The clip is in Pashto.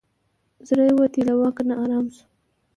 زړه یې ووتی له واکه نا آرام سو